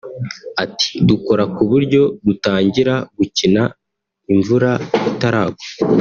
Ati “Dukora ku buryo dutangira gukina imvura itaragwa